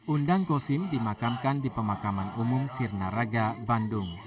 undang gosim dimakamkan di pemakaman umum sirna raga bandung